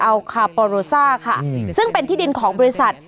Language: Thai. อัลคาปอโรซ่าค่ะซึ่งเป็นที่ดินของบริษัท